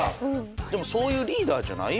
でもそういうリーダーじゃない？